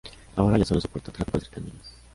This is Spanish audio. Ahora ya sólo soporta tráfico de cercanías.